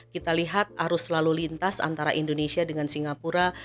kita lihat arus lalu lintas antara indonesia dengan singapura